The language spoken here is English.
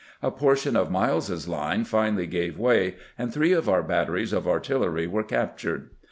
A portion of Miles's line finally gave way, and three of our batteries of artillery were captured.